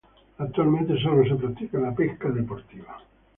Actualmente sólo se practica la pesca deportiva.